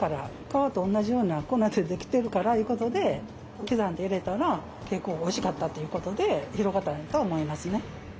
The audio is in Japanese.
皮と同じような粉でできてるからいうことで刻んで入れたら結構おいしかったっていうことで広がったんやと思いますね。